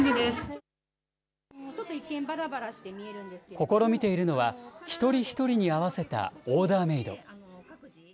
試みているのは、一人一人に合わせたオーダーメード。